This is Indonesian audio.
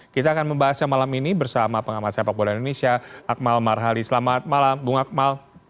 kita akan membahasnya malam ini bersama pengamat sepak bola indonesia akmal marhali selamat malam bung akmal